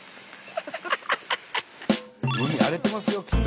海荒れてますよきっと。